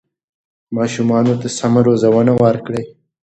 ماشومانو ته سمه روزنه ورکړئ.